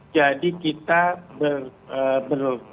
jadi kita berhubungan